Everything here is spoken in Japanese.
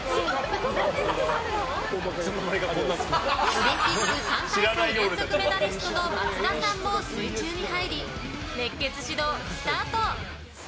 オリンピック３大会連続メダリストの松田さんも水中に入り熱血指導スタート。